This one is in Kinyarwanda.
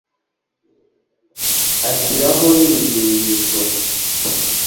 ashyiraho n'ibihindizo